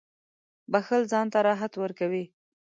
• بښل ځان ته راحت ورکوي.